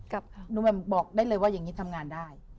ใช่แล้วช่องตอนนี้ก็เยอะด้วย